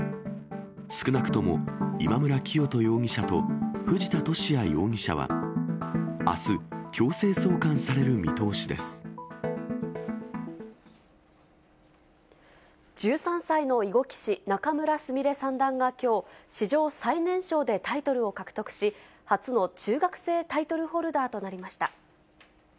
少なくとも今村磨人容疑者と藤田聖也容疑者は、あす、強制送還さ１３歳の囲碁棋士、仲邑菫三段がきょう、史上最年少でタイトルを獲得し、初の中学生タイトルホルダーとなりました。